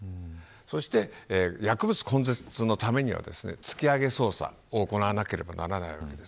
そして、薬物根絶のためには突き上げ捜査を行わなければなりません。